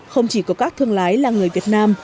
không chỉ có các thương lái là người việt nam